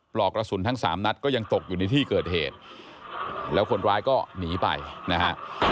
ปลอกกระสุนทั้งสามนัดก็ยังตกอยู่ในที่เกิดเหตุแล้วคนร้ายก็หนีไปนะฮะ